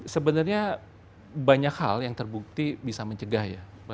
sebenarnya banyak hal yang terbukti bisa mencegah ya